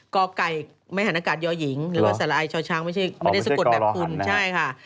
กไก่มหานกาศยอหญิงแล้วก็สระอายชาวช้างไม่ได้สกดแบบคุณใช่ค่ะ